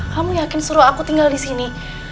kamu yakin suruh aku tinggal disini